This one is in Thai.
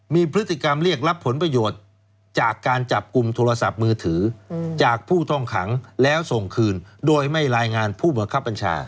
มีพฤติกรรมเรียกรับผลประโยชน์จากการจับกลุ่มโทรศัพท์มือถือจากผู้ต้องขังแล้วส่งคืนโดยไม่รายงานผู้บังคับบัญชา